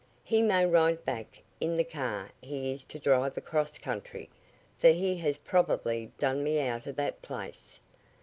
He may ride back in the car he is to drive across country, for he has probably done me out of that place.